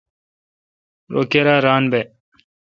رو کیرا ران بہ۔